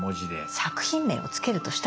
作品名を付けるとしたら？